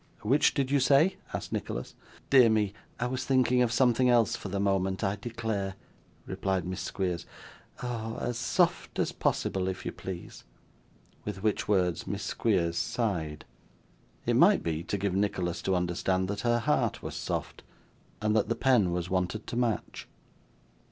'Which did you say?' asked Nicholas. 'Dear me, I was thinking of something else for the moment, I declare,' replied Miss Squeers. 'Oh! as soft as possible, if you please.' With which words, Miss Squeers sighed. It might be, to give Nicholas to understand that her heart was soft, and that the pen was wanted to match.